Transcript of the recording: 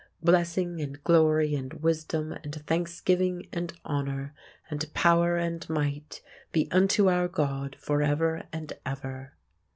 Blessing, and glory, and wisdom, and thanksgiving, and honour, and power, and might, be unto our God for ever and ever."